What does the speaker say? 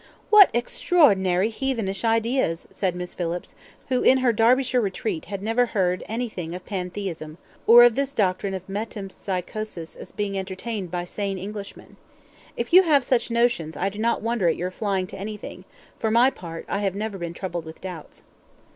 "What extraordinary heathenish ideas!" said Miss Phillips, who in her Derbyshire retreat had never heard anything of pantheism, or of this doctrine of metempsychosis as being entertained by sane Englishmen. "If you have such notions, I do not wonder at your flying to anything; for my part, I have never been troubled with doubts."